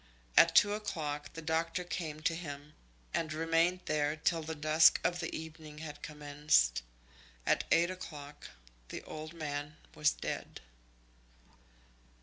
At two o'clock the doctor came to him, and remained there till the dusk of the evening had commenced. At eight o'clock the old man was dead.